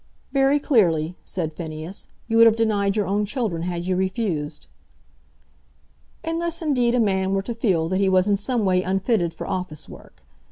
"Very clearly," said Phineas. "You would have denied your own children had you refused." "Unless indeed a man were to feel that he was in some way unfitted for office work.